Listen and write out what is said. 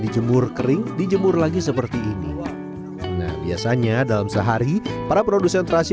dijemur kering dijemur lagi seperti ini nah biasanya dalam sehari para produsen terasi